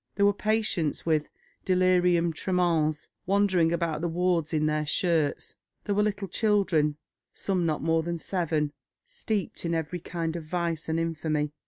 There were patients with delirium tremens wandering about the wards in their shirts; there were little children, some not more than seven, steeped in every kind of vice and infamy.